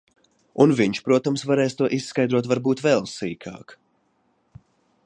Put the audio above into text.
Un viņš, protams, varēs to izskaidrot varbūt vēl sīkāk.